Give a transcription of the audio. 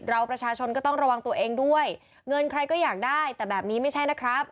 เราประชาชนก็ต้องระวังตัวเองด้วยเงินใครก็อยากได้แต่แบบนี้ไม่ใช่นะครับ